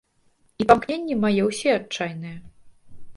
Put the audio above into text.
І памкненні мае ўсе адчайныя.